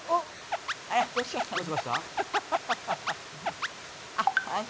どうしました？